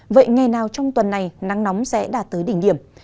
vậy ngày nào trong tuần này nắng nóng sẽ đạt tới đỉnh điểm